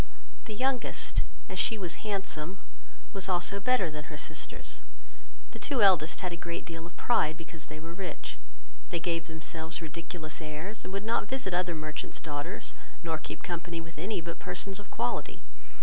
The youngest, as she was handsome, was also better than her sisters. The two eldest had a great deal of pride, because they were rich. They gave themselves ridiculous airs, and would not visit other merchants' daughters, nor keep company with any but persons of quality.